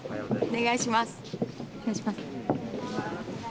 お願いします。